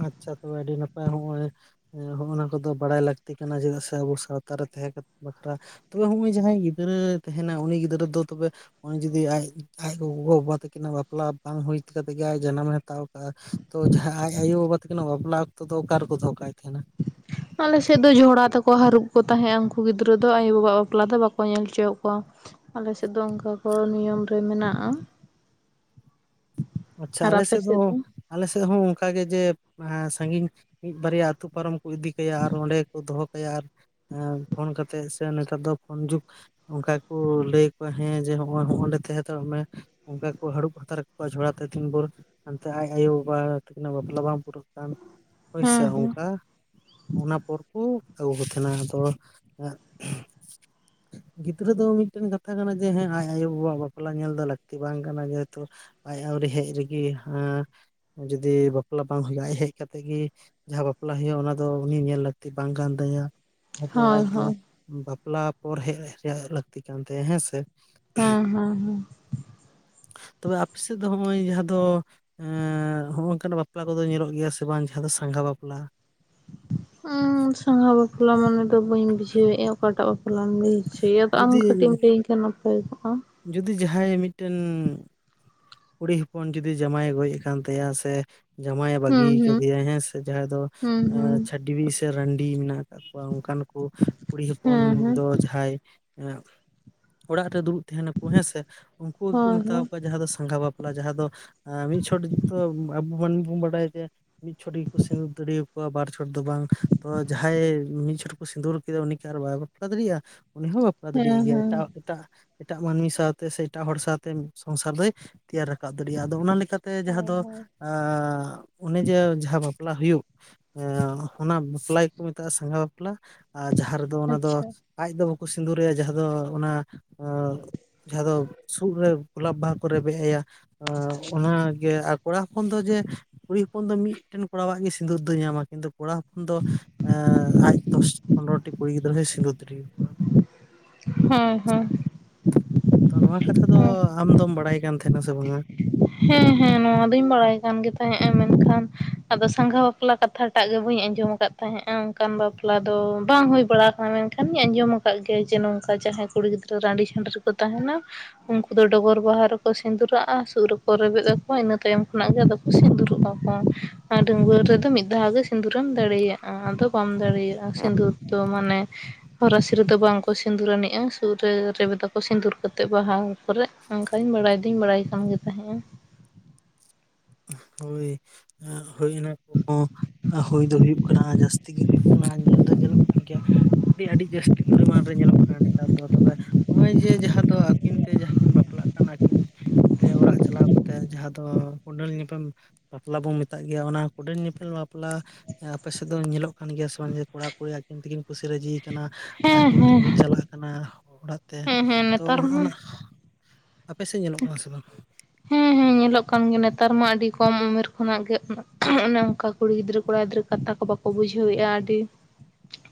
ᱟᱪᱷᱟ ᱛᱚᱵᱮ ᱟᱹᱰᱤ ᱱᱟᱯᱟᱭ ᱦᱚᱸᱜᱼᱚᱭ ᱦᱚᱸᱜᱼ ᱱᱟ ᱠᱚ ᱫᱚ ᱵᱟᱰᱟᱭ ᱞᱟᱹᱠᱛᱤ ᱠᱟᱱᱟ ᱪᱮᱫᱟᱜ ᱥᱮ ᱟᱵᱚ ᱥᱟᱶᱛᱟᱨᱮ ᱛᱟᱦᱮᱸ ᱵᱟᱠᱷᱨᱟ ᱛᱚᱵᱮ ᱦᱩᱜᱼᱩᱭ ᱡᱟᱦᱟᱸᱭ ᱜᱤᱫᱽᱨᱟᱹ ᱛᱮᱦᱮᱸᱱᱟ ᱩᱱᱤ ᱜᱤᱫᱽᱨᱟᱹ ᱫᱚ ᱛᱚᱵᱮ ᱩᱱᱤ ᱡᱩᱫᱤ ᱟᱡ ᱟᱡ ᱜᱚᱜᱚ ᱵᱟᱵᱟ ᱛᱟᱹᱠᱤᱱᱟᱜ ᱵᱟᱯᱞᱟ ᱵᱟᱝ ᱦᱩᱭ ᱠᱟᱛᱮᱫ ᱜᱮ ᱟᱡ ᱡᱟᱱᱟᱢ ᱦᱟᱛᱟᱣ ᱠᱟᱜᱼᱟ ᱛᱚ ᱡᱟᱦᱟᱸ ᱟᱡ ᱟᱭᱳ ᱵᱟᱵᱟ ᱛᱟᱹᱠᱤᱱᱟᱜ ᱵᱟᱯᱞᱟ ᱚᱠᱛᱚ ᱫᱚ ᱚᱠᱟ ᱨᱮᱠᱚ ᱫᱚᱦᱚ ᱠᱟᱭ ᱠᱷᱟᱱᱟ ᱟᱞᱮ ᱥᱮᱫ ᱫᱚ ᱡᱷᱚᱲᱟ ᱛᱮᱠᱚ ᱦᱟᱹᱨᱩᱵ ᱠᱚ ᱛᱟᱦᱮᱸᱫᱼᱟ ᱩᱱᱠᱩ ᱜᱤᱫᱽᱨᱟᱹ ᱫᱚ ᱟᱭᱳ ᱵᱟᱵᱟ ᱣᱟᱜ ᱵᱟᱯᱞᱟ ᱫᱚ ᱵᱟᱠᱚ ᱧᱮᱞ ᱦᱚᱪᱚ ᱠᱚᱣᱟ ᱟᱞᱮ ᱥᱮᱫ ᱫᱚ ᱚᱱᱠᱟ ᱠᱚ ᱱᱤᱭᱚᱢ ᱨᱮ ᱢᱮᱱᱟᱜᱼᱟ [inaudible] ᱟᱪᱪᱷᱟ ᱟᱨ ᱟᱞᱮ ᱟᱯᱮ ᱥᱮᱫ ᱦᱚᱸ ᱫᱚ ᱟᱞᱮ ᱥᱮᱫ ᱦᱚᱸ ᱚᱱᱠᱟ ᱜᱮ ᱡᱮ ᱥᱟᱹᱜᱤᱧ ᱢᱤᱫ ᱵᱟᱨᱭᱟ ᱟᱹᱛᱩ ᱯᱟᱨᱚᱢ ᱠᱚ ᱤᱫᱤ ᱠᱟᱭᱟ ᱟᱨ ᱚᱸᱰᱮ ᱜᱮᱠᱚ ᱫᱚᱦᱚ ᱠᱟᱭᱟ ᱟᱨ ᱯᱷᱳᱱ ᱠᱟᱛᱮᱫ ᱥᱮ ᱱᱮᱛᱟᱨ ᱫᱚ ᱯᱷᱳᱱ ᱡᱩᱜᱽ ᱚᱱᱠᱟ ᱠᱚ ᱞᱟᱹᱭ ᱟᱠᱚᱣᱟ ᱦᱮᱸ ᱡᱮ [unintelligible] ᱱᱚᱸᱰᱮ ᱛᱟᱦᱮᱸ ᱦᱟᱛᱟᱲ ᱚᱜ ᱢᱮ ᱚᱱᱠᱟ ᱠᱚ ᱦᱟᱹᱨᱩᱵ ᱦᱟᱛᱟᱲ ᱠᱚᱣᱟ ᱡᱷᱚᱲᱟ [unintelligible] ᱛᱤᱱ ᱵᱷᱚᱨ ᱦᱟᱱᱛᱮ ᱟᱡ ᱟᱭᱳ ᱵᱟᱵᱟ ᱛᱟᱹᱠᱤᱱ ᱟᱜ ᱵᱟᱯᱞᱟ ᱵᱟᱝ ᱯᱩᱨᱟᱹᱜ ᱠᱟᱱ ᱦᱮᱸ ᱦᱚᱭᱥᱟᱹ ᱦᱮᱸ ᱚᱝᱠᱟ ᱚᱱᱟ ᱯᱚᱨ ᱠᱚ ᱟᱹᱜᱩ ᱠᱚ ᱛᱟᱦᱮᱱᱟ ᱟᱫᱚ ᱜᱤᱫᱽᱨᱟᱹ ᱫᱚ ᱢᱤᱫ ᱴᱮᱱ ᱠᱟᱛᱷᱟ ᱠᱟᱱᱟ ᱡᱮ ᱦᱮᱸ ᱟᱡ ᱟᱭᱳ ᱵᱟᱵᱟ ᱣᱟᱜ ᱵᱟᱯᱞᱟ ᱧᱮᱞ ᱫᱚ ᱞᱟᱹᱠᱛᱤ ᱵᱟᱝ ᱠᱟᱱᱟ ᱡᱮᱦᱮᱛᱩ ᱦᱮᱛᱩ ᱟᱹᱣᱨᱤ ᱦᱮᱡ ᱨᱮᱜᱮ ᱮᱸ ᱡᱩᱫᱤ ᱵᱟᱯᱞᱟ ᱵᱟᱝ ᱦᱳᱭᱳᱜᱼᱟᱡ ᱦᱮᱡ ᱠᱟᱛᱮᱜ ᱜᱮ ᱡᱟᱦᱟᱸ ᱵᱟᱯᱞᱟ ᱦᱳᱭᱳᱜ-ᱟ ᱚᱱᱟ ᱫᱚ ᱩᱱᱤ ᱧᱮᱞ ᱞᱟᱹᱠᱛᱤ ᱵᱟᱝ ᱠᱟᱱ ᱛᱟᱭᱟ ᱟᱫᱚ ᱦᱳᱭ ᱟᱡ ᱫᱚ ᱦᱳᱭ ᱵᱟᱯᱞᱟ ᱯᱚᱨ ᱦᱮᱡ ᱨᱮᱭᱟᱜ ᱞᱟᱹᱠᱛᱤ ᱠᱟᱱ ᱛᱟᱭᱟ ᱦᱮᱸᱥᱮ ᱦᱮᱸ ᱦᱮᱸ ᱦᱮᱸ ᱛᱚᱵᱮ ᱟᱯᱮ ᱥᱮᱫ ᱫᱚ ᱱᱚᱜᱼᱚᱭ ᱡᱟᱦᱟᱸ ᱫᱚ ᱦᱚᱸᱜᱚ ᱠᱟᱱᱟ ᱵᱟᱯᱞᱟ ᱠᱚᱫᱚ ᱧᱮᱞᱚᱜ ᱜᱮᱭᱟ ᱥᱮ ᱵᱟᱝ ᱡᱟᱦᱟᱸ ᱫᱚ ᱥᱟᱸᱜᱷᱟ ᱵᱟᱯᱞᱟ ᱥᱟᱸᱜᱷᱟ ᱵᱟᱯᱞᱟ ᱢᱟᱱᱮ ᱫᱚ ᱵᱟᱹᱧ ᱵᱩᱡᱷᱟᱹᱣᱮᱫᱼᱟ ᱚᱠᱟ ᱴᱟᱜ ᱵᱟᱯᱞᱟᱢ ᱞᱟᱹᱭ [unintelligible] ᱟᱢ ᱡᱩᱫᱤ ᱠᱟᱹᱴᱤᱡ ᱮᱢ ᱞᱟᱹᱭ ᱟᱹᱧ ᱠᱷᱮᱭᱟ ᱱᱟᱯᱟᱭ ᱠᱚᱜᱼᱟ ᱡᱩᱫᱤ ᱡᱟᱦᱟᱸᱭ ᱢᱤᱫ ᱴᱮᱱ ᱠᱩᱲᱤ ᱦᱚᱯᱚᱱ ᱡᱩᱫᱤ ᱡᱟᱢᱟᱭ ᱮ ᱜᱚᱡ ᱟᱠᱟᱱ ᱛᱟᱭᱟ ᱥᱮ ᱡᱟᱢᱟᱭ ᱮ ᱵᱟᱹᱜᱤ ᱦᱩᱸ ᱦᱩᱸ ᱠᱟᱫᱮᱭᱟ ᱦᱮᱸ ᱥᱮ ᱡᱟᱸᱦᱟᱭ ᱫᱚ ᱦᱩᱸ ᱦᱩᱸ ᱪᱷᱟᱹᱰᱣᱤ ᱥᱮ ᱨᱟᱺᱰᱤ ᱢᱮᱱᱟᱜ ᱟᱠᱟᱫ ᱠᱚᱣᱟ ᱚᱱᱠᱟᱱ ᱠᱚ ᱠᱩᱲᱤ ᱦᱚᱯᱚᱱ ᱦᱮᱸ ᱦᱮᱸ ᱫᱚ ᱡᱟᱦᱟᱸᱭ ᱚᱲᱟᱜ ᱨᱮ ᱫᱩᱲᱩᱵ ᱛᱟᱦᱮᱱᱟ ᱠᱚ ᱦᱮᱸᱥᱮ ᱩᱱᱠᱩ ᱜᱮᱠᱚ ᱦᱳᱭ ᱢᱮᱛᱟᱣ ᱦᱳᱭ ᱠᱚᱣᱟ ᱡᱟᱦᱟᱸ ᱫᱚ ᱥᱟᱸᱜᱷᱟ ᱵᱟᱯᱞᱟ ᱡᱟᱸᱦᱟ ᱫᱚ ᱢᱤᱫ ᱪᱷᱚᱴᱚ ᱟᱵᱚ [unintelligible] ᱵᱟᱰᱟᱭ ᱡᱮ ᱢᱤᱫ ᱪᱷᱚᱴ ᱜᱮᱠᱚ ᱥᱤᱸᱫᱩᱨ ᱫᱟᱲᱮ ᱭᱟ ᱠᱚᱣᱟ ᱵᱟᱨ ᱪᱷᱚᱴ ᱫᱚ ᱵᱟᱝ ᱛᱚ ᱡᱟᱸᱦᱟᱭ ᱢᱤᱫ ᱪᱷᱚᱴ ᱠᱚ ᱥᱤᱸᱫᱩᱨ ᱠᱮᱫᱮ ᱩᱱᱤ ᱠᱤ ᱟᱨ ᱵᱟᱭ ᱵᱟᱯᱞᱟ ᱫᱟᱲᱮᱭᱟᱜᱼᱟ ᱩᱱᱤ ᱦᱚᱸ ᱵᱟᱯᱞᱟ ᱦᱮᱸ ᱫᱟᱲᱮᱭᱟᱜ ᱜᱮᱭᱟ ᱦᱮᱸ ᱮᱴᱟᱜ ᱮᱴᱟᱜ ᱢᱟᱹᱱᱢᱤ ᱥᱟᱶ ᱛᱮ ᱥᱮ ᱮᱴᱟᱜ ᱦᱚᱲ ᱥᱟᱶ ᱛᱮ ᱥᱚᱝᱥᱟᱨ ᱫᱚᱭ ᱛᱮᱭᱟᱨ ᱨᱟᱠᱟᱵ ᱫᱟᱲᱮᱭᱟᱜᱼᱟ ᱟᱫᱚ ᱚᱱᱟ ᱞᱮᱠᱟᱛᱮ ᱡᱟᱸᱦᱟ ᱦᱳᱭ ᱫᱚ ᱦᱳᱭ [unintelligible] ᱚᱱᱮ ᱡᱮ ᱡᱟᱸᱦᱟ ᱵᱟᱯᱞᱟ ᱦᱩᱭᱩᱜ [unintelligible] ᱚᱱᱟ ᱵᱟᱯᱞᱟ ᱜᱮᱠᱚ ᱢᱮᱛᱟᱜᱼᱟ ᱥᱟᱸᱜᱷᱟ ᱵᱟᱯᱞᱟ ᱟᱨ ᱡᱟᱸᱦᱟ ᱨᱮᱫᱚ ᱚᱱᱟ ᱫᱚ ᱟᱪᱪᱷᱟ ᱟᱡ ᱫᱚ ᱵᱟᱠᱚ ᱥᱤᱸᱫᱩᱨᱮᱭᱟ ᱡᱟᱦᱟ ᱫᱚ ᱚᱱᱟ [unintelligible] ᱡᱟᱸᱦᱟ ᱫᱚ ᱥᱩᱫᱽ ᱨᱮ ᱜᱩᱞᱟᱵ ᱵᱟᱦᱟ ᱠᱚ ᱨᱮᱵᱮᱫ ᱟᱭᱟ ᱚᱱᱟ ᱜᱮ ᱟᱨ ᱠᱚᱲᱟ ᱦᱚᱯᱚᱱ ᱫᱚ ᱡᱮ ᱠᱩᱲᱤ ᱦᱚᱯᱚᱱ ᱫᱚ ᱢᱤᱫ ᱴᱮᱱ ᱠᱚᱲᱟᱣᱟᱜ ᱜᱮ ᱥᱤᱸᱫᱩᱨ ᱫᱚᱭ ᱧᱟᱢ ᱠᱤᱱᱛᱩ ᱠᱚᱲᱟ ᱫᱚ [unintelligible] ᱟᱡ ᱫᱚᱥ ᱯᱚᱱᱫᱨᱚ ᱴᱤ ᱠᱩᱲᱤ ᱜᱤᱫᱽᱨᱟᱹ ᱦᱚᱸᱭ ᱥᱤᱸᱫᱩᱨ ᱫᱟᱲᱮ ᱟᱠᱚᱣᱟ [inaudible] ᱦᱳᱭ ᱦᱚᱸ ᱛᱚ ᱱᱚᱣᱟ ᱠᱟᱛᱷᱟ ᱫᱚ ᱟᱢ ᱫᱚᱢ ᱵᱟᱲᱟᱭ ᱠᱟᱱ ᱛᱟᱦᱮᱱᱟ ᱥᱮ ᱵᱟᱝᱼᱟ ᱦᱮᱸ ᱦᱮᱸ ᱱᱚᱣᱟ ᱫᱩᱸᱧ ᱵᱟᱲᱟᱭ ᱠᱟᱱ ᱜᱮ ᱛᱟᱦᱮᱸᱜᱼᱟ ᱢᱮᱱᱠᱷᱟᱱ ᱟᱫᱚ ᱥᱟᱸᱜᱷᱟ ᱵᱟᱯᱞᱟ ᱠᱟᱛᱷᱟ ᱴᱟᱜ ᱜᱮ ᱵᱟᱹᱧ ᱟᱸᱡᱚᱢ ᱟᱠᱟᱫ ᱛᱟᱦᱮᱸᱫᱼᱟ ᱚᱱᱠᱟᱱ ᱵᱟᱯᱞᱟ ᱫᱚ ᱵᱟᱝ ᱦᱩᱭ ᱵᱟᱲᱟ ᱟᱠᱟᱱᱟ ᱢᱮᱱᱠᱷᱟᱱ ᱤᱧ ᱟᱸᱡᱚᱢ ᱠᱟᱫ ᱜᱮᱭᱟᱭ ᱡᱮ ᱱᱚᱝᱠᱟ ᱡᱟᱦᱟᱸᱭ ᱠᱩᱲᱤ ᱜᱤᱫᱽᱨᱟᱹ ᱨᱟᱺᱰᱤ ᱪᱷᱩᱰᱟ. ᱨ ᱠᱚ ᱛᱟᱦᱮᱱᱟ ᱩᱱᱠᱩ ᱫᱚ ᱰᱚᱸᱜᱚᱨ ᱵᱟᱦᱟ ᱨᱮᱠᱚ ᱥᱤᱸᱫᱩᱨᱟᱜᱼᱟ ᱥᱩᱫ ᱠᱚ ᱨᱮᱵᱮᱫ ᱟᱠᱚᱣᱟ ᱤᱱᱟᱹ ᱛᱟᱭᱚᱢ ᱠᱷᱚᱱᱟᱜ ᱜᱮ ᱟᱫᱚ ᱠᱚ ᱥᱤᱸᱫᱩᱨᱚᱜᱟ ᱠᱚ ᱟᱨ ᱰᱟᱹᱝᱣᱟᱹ ᱨᱮᱫᱚ ᱢᱤᱫ ᱫᱷᱟᱣ ᱜᱮ ᱥᱤᱸᱫᱩᱨᱮᱢ ᱫᱟᱲᱮᱭᱟᱜᱼᱟ ᱟᱫᱚ ᱵᱟᱢ ᱫᱟᱲᱮᱭᱟᱜᱼᱟ ᱥᱤᱸᱫᱩᱨ ᱫᱚ ᱢᱟᱱᱮ ᱦᱚᱨᱟᱥᱤ ᱨᱮᱫᱚ ᱵᱟᱝᱠᱚ ᱥᱤᱸᱫᱩᱨ ᱟᱱᱤᱼᱟ ᱥᱩᱫ ᱨᱮ ᱨᱮᱵᱮᱫᱟᱠᱚ ᱥᱤᱸᱫᱩᱨ ᱠᱟᱛᱮᱫ ᱵᱟᱦᱟ [unintelligible] ᱚᱱᱠᱟᱹᱧ ᱵᱟᱲᱟᱭ ᱫᱩᱸᱧ ᱵᱟᱲᱟᱭ ᱠᱟᱱ ᱜᱮ ᱛᱟᱦᱮᱜᱼᱟ ᱦᱳᱭ ᱦᱳᱭ ᱚᱱᱟ ᱠᱚᱦᱚᱸ ᱦᱩᱭ ᱫᱚ ᱦᱩᱭᱩᱜ ᱠᱟᱱᱟ ᱡᱟᱹᱥᱛᱤ ᱜᱮ ᱦᱩᱭᱩᱜ ᱠᱟᱱᱟ ᱧᱮᱞ ᱫᱚ ᱧᱮᱞᱚᱜ ᱠᱟᱱ ᱜᱮᱭᱟ ᱟᱹᱰᱤ ᱟᱹᱰᱤ ᱡᱟᱹᱥᱛᱤ ᱯᱚᱨᱤ ᱢᱟᱱ ᱨᱮ ᱧᱮᱞᱚᱜ ᱠᱟᱱᱟ ᱱᱮᱛᱟᱨ ᱫᱚ ᱛᱚᱵᱮ ᱱᱚᱜᱼᱚᱭ ᱡᱮ ᱡᱟᱦᱟᱸ ᱫᱚ ᱟᱹᱠᱤᱱ ᱛᱮ ᱡᱟᱦᱟᱸ ᱠᱤᱱ ᱵᱟᱯᱞᱟᱜ ᱠᱟᱱᱟ ᱠᱤᱱ ᱛᱮ ᱚᱲᱟᱜ ᱪᱟᱞᱟᱣ ᱠᱟᱛᱮ ᱡᱟᱦᱟᱸ ᱫᱚ ᱠᱚᱸᱰᱮᱞ [inaudible] [unintelligible] ᱵᱟᱯᱞᱟ ᱵᱚ ᱢᱮᱛᱟᱜ ᱜᱮᱭᱟ ᱚᱱᱟ ᱠᱩᱰᱟᱹᱱ ᱧᱮᱯᱮᱞ ᱵᱟᱯᱞᱟ ᱟᱯᱮ ᱥᱮᱫ ᱫᱚ ᱧᱮᱞᱚᱜ ᱠᱟᱱ ᱜᱮᱭᱟ ᱥᱮ ᱵᱟᱝ ᱡᱮ ᱠᱚᱲᱟ ᱠᱩᱲᱤ ᱟᱹᱠᱤᱱ ᱛᱮᱠᱤᱱ ᱠᱩᱥᱤ ᱨᱟᱹᱡᱤ ᱠᱟᱱᱟ ᱦᱮᱸ ᱟᱹᱠᱤᱱ ᱦᱮᱸ ᱛᱮᱠᱤᱱ ᱪᱟᱞᱟᱜ ᱠᱟᱱᱟ ᱚᱲᱟᱜ ᱛᱮ ᱦᱮᱸ ᱦᱮᱸ ᱛᱚ ᱱᱮᱛᱟᱨ ᱚᱱᱟ ᱢᱟ ᱚᱱᱟ [unintelligible] ᱟᱯᱮ ᱥᱮᱫ ᱧᱮᱞᱚᱜ ᱠᱟᱱᱟ ᱥᱮ ᱵᱟᱝ ᱦᱮᱸ ᱦᱮᱸ ᱧᱮᱞᱚᱜ ᱠᱟᱱ ᱜᱮᱭᱟ ᱱᱮᱛᱟᱨ ᱢᱟ ᱟᱹᱰᱤ ᱠᱚᱢ ᱩᱢᱮᱨ ᱠᱷᱚᱱᱟᱜ ᱜᱮ ᱩᱱᱟᱹᱜ [unintelligible] ᱚᱱᱮ ᱚᱱᱠᱟ ᱠᱩᱲᱤ ᱜᱤᱫᱽᱨᱟᱹ ᱠᱚᱲᱟ ᱜᱤᱫᱽᱨᱟᱹ ᱠᱟᱛᱷᱟ ᱠᱚ ᱵᱟᱠᱚ ᱵᱩᱡᱷᱟᱹᱣᱮᱜᱼᱟ ᱟᱹᱰᱤ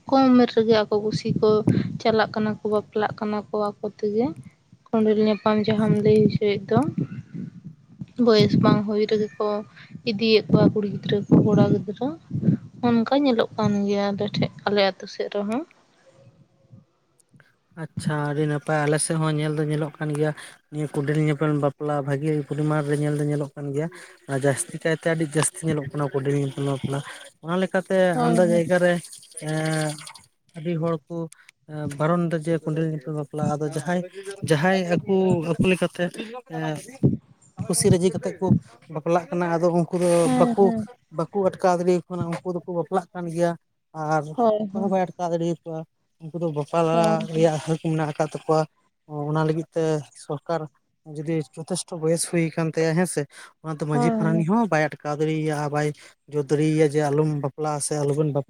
ᱠᱚᱢ ᱩᱢᱮᱨ ᱨᱮᱜᱮ ᱟᱠᱚ ᱠᱩᱥᱤ ᱠᱚ ᱪᱟᱞᱟᱜ ᱠᱟᱱᱟ ᱠᱚ ᱵᱟᱯᱞᱟᱜ ᱠᱟᱱᱟ ᱠᱚ ᱟᱠᱚ ᱛᱮᱜᱮ ᱠᱚᱸᱰᱮᱞ ᱧᱟᱯᱟᱢ ᱡᱟᱦᱟᱢ ᱞᱟᱹᱭ ᱚᱪᱚᱭᱮᱫ ᱫᱚ ᱵᱚᱭᱮᱥ ᱵᱟᱝ ᱦᱩᱭ ᱨᱮᱜᱮ ᱠᱚ ᱤᱫᱤᱭᱮᱫ ᱠᱚᱣᱟ ᱠᱩᱲᱤ ᱜᱤᱫᱽᱨᱟᱹ ᱠᱚ ᱠᱚᱲᱟ ᱜᱤᱫᱽᱨᱟᱹ [inaudible] ᱚᱱᱠᱟ ᱧᱮᱞᱚᱜ ᱠᱟᱱ ᱜᱮᱭᱟ ᱟᱞᱮ ᱴᱷᱮᱡ ᱟᱞᱮ ᱟᱹᱛᱩ ᱥᱮᱫ ᱨᱮᱦᱚᱸ ᱟᱪᱷᱟ ᱟᱹᱰᱤ ᱱᱟᱯᱟᱭ ᱟᱞᱮ ᱥᱮᱜ ᱦᱚᱸ ᱧᱮᱞ ᱫᱚ ᱧᱮᱞᱚᱜ ᱠᱟᱱ ᱜᱮᱭᱟ ᱱᱤᱭᱟᱹ ᱠᱩᱸᱰᱮᱞ ᱧᱮᱯᱮᱞ ᱵᱟᱯᱞᱟ ᱵᱷᱟᱹᱜᱤ ᱯᱚᱨᱤᱢᱟᱱ ᱨᱮ ᱧᱮᱞ ᱫᱚ ᱧᱮᱞᱚᱜ ᱠᱟᱱ ᱜᱮᱭᱟ ᱟᱨ ᱡᱟᱹᱥᱛᱤ ᱠᱟᱭᱛᱮ ᱟᱹᱰᱤ ᱡᱟᱹᱥᱛᱤ ᱧᱮᱞᱚᱜ ᱠᱟᱱᱟ ᱠᱚᱸᱰᱮᱞ ᱧᱮᱯᱮᱞ ᱯᱟᱯᱞᱟ ᱚᱱᱟ ᱞᱮᱠᱟᱛᱮ ᱟᱢᱫᱟ ᱡᱟᱭᱜᱟ ᱨᱮ [inaudible] ᱮᱸ ᱟᱹᱰᱤ ᱦᱚᱲ ᱠᱩ ᱮᱸ ᱵᱟᱨᱚᱱ ᱫᱚᱡ [unintelligible] ᱵᱟᱯᱞᱟᱼᱟ ᱟᱫᱚ ᱡᱟᱦᱟᱸᱭ [inaudible] ᱡᱟᱦᱟᱸᱭ ᱟᱹᱠᱩ ᱟᱠᱚ ᱞᱮᱠᱟᱛᱮ [unintelligible] ᱮᱸ ᱠᱩᱥᱤ ᱨᱟᱹᱡᱤ ᱠᱟᱛᱮᱜ ᱠᱩ ᱵᱟᱯ ᱞᱟᱜ ᱠᱟᱱᱟ ᱟᱫᱚ ᱩᱝᱠᱩ ᱫᱚ ᱵᱟᱹᱠᱩ [inaudible] ᱵᱟᱹᱠᱩ ᱟᱴᱠᱟᱣ ᱫᱟᱲᱮ ᱠᱩ ᱠᱟᱱᱟ ᱩᱱᱠᱩ ᱫᱩᱠᱩ ᱵᱟᱯᱞᱟᱜ ᱠᱟᱱ ᱜᱮᱭᱟ ᱟᱨ ᱦᱳᱭ ᱚᱠᱚᱭ ᱦᱳᱭ ᱦᱚᱸ ᱵᱟᱭ ᱟᱴᱠᱟᱣ ᱫᱟᱲᱮ ᱠᱚᱣᱟ ᱩᱝᱠᱩ ᱫᱚ ᱦᱳᱭ ᱦᱳᱭ [unintelligible] ᱦᱟᱹᱠ ᱢᱮᱱᱟᱜ ᱟᱠᱟᱫ ᱛᱟᱹᱠᱚᱣᱟ [inaudible] ᱚᱱᱟ ᱞᱟᱹᱜᱤᱫ ᱛᱮ ᱥᱚᱨᱠᱟᱨ ᱡᱩᱫᱤ ᱪᱳᱸᱛᱤᱥᱴᱷᱤ ᱵᱚᱭᱮᱥ ᱦᱩᱭ ᱟᱠᱟᱱ ᱛᱟᱭᱟ ᱦᱮᱸᱥᱮ [unintelligible] ᱚᱱᱟ ᱛᱮ ᱢᱟᱺᱡᱷᱤ ᱦᱳᱭ ᱦᱳᱭ ᱯᱟᱨᱟᱱᱤᱠ ᱦᱚᱸ ᱵᱟᱭ ᱟᱴᱠᱟᱣ ᱫᱟᱲᱮᱭᱟᱭᱼᱟ ᱟᱨ ᱵᱟᱭ [inaudible] ᱡᱳᱨ ᱫᱟᱲᱮᱭᱟᱭᱼᱟ ᱡᱮ ᱟᱞᱚᱢ ᱵᱟᱯᱞᱟᱜᱼᱟ ᱥᱮ ᱟᱞᱚᱵᱚᱱ ᱵᱟᱯᱞᱟ